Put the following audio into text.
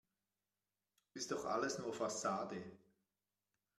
Ist doch alles nur Fassade.